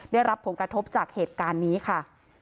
ได้รับผลกระทบจากเหตุการณ์นี้ค่ะ